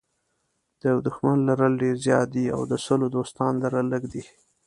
د یوه دښمن لرل ډېر زیات دي او د سلو دوستانو لرل لږ دي.